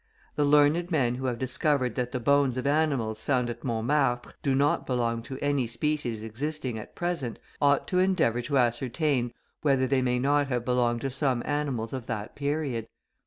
The learned men who have discovered that the bones of animals found at Montmartre, do not belong to any species existing at present, ought to endeavour to ascertain whether they may not have belonged to some animals of that period.